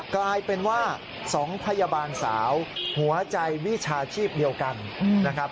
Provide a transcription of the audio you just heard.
กลายเป็นว่า๒พยาบาลสาวหัวใจวิชาชีพเดียวกันนะครับ